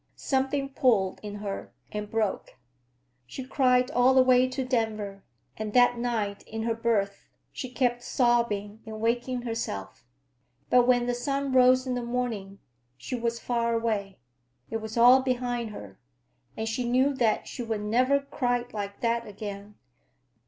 Something pulled in her—and broke. She cried all the way to Denver, and that night, in her berth, she kept sobbing and waking herself. But when the sun rose in the morning, she was far away. It was all behind her, and she knew that she would never cry like that again.